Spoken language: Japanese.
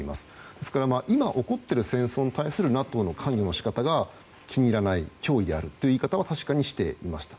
ですから、今起こっている戦争に対するＮＡＴＯの関与の仕方が気に入らない脅威であるという言い方は確かにしていました。